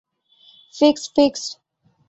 Fixed, fixed.